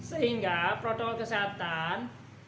sehingga protokol kesehatan